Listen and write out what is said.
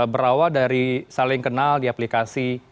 berawal dari saling kenal di aplikasi